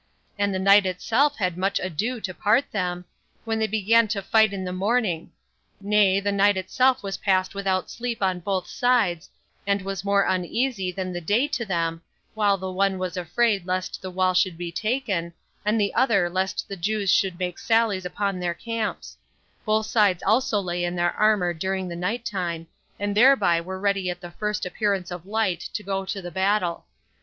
And the night itself had much ado to part them, when they began to fight in the morning; nay, the night itself was passed without sleep on both sides, and was more uneasy than the day to them, while the one was afraid lest the wall should be taken, and the other lest the Jews should make sallies upon their camps; both sides also lay in their armor during the night time, and thereby were ready at the first appearance of light to go to the battle.